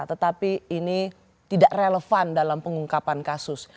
tetapi ini tidak relevan dalam pengungkapan kasus